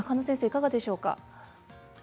いかがでしょうか。